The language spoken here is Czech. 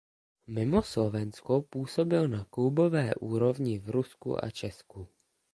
Mimo Slovensko působil na klubové úrovni v Rusku a Česku.